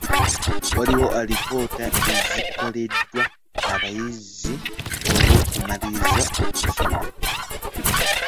Waliwo alipoota ezikolebwa abayizi olw'okumaliriza okusoma.